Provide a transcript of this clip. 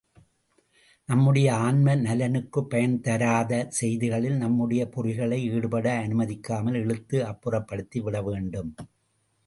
நம்முடைய ஆன்ம நலனுக்குப் பயன் தராத செய்திகளில் நம்முடைய பொறிகளை ஈடுபட அனுமதிக்காமல் இழுத்து அப்புறப்படுத்தி விடவேண்டும்.